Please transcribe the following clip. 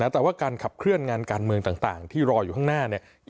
แต่ว่าการขับเคลื่อนงานการเมืองต่างที่รออยู่ข้างหน้าเนี่ย